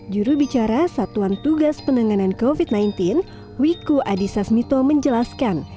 jurubicara satuan tugas penanganan covid sembilan belas wiku adhisa smito menjelaskan